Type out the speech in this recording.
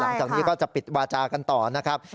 หลังจากนี้ก็จะปิดวาจากันต่อนะครับ